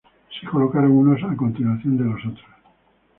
Se colocaron unos a continuación de los otros.